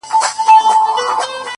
• تر شا خلک دلته وېره د زمري سوه,